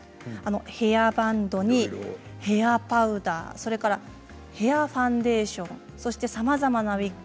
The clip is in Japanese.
ヘアバンドにヘアパウダーヘアファンデーションさまざまなウイッグ